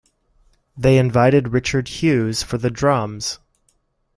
They invited Richard Hughes for the drums.